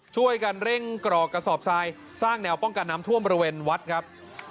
ช่วยกันเร่งกรอกกระสอบทรายสร้างแนวป้องกันน้ำท่วมบริเวณวัดครับ